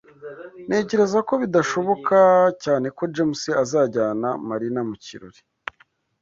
Ntekereza ko bidashoboka cyane ko James azajyana Marina mu kirori.